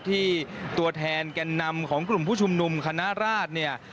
ที่ตัวแทนแก่นนำของกลุ่มผู้ชุมนุมคณะราชเนี่ย